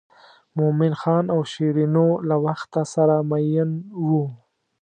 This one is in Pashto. مومن خان او شیرینو له وخته سره مئین وو.